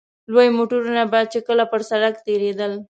لوی موټرونه چې به کله پر سړک تېرېدل.